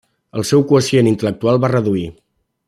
El seu quocient intel·lectual va reduir.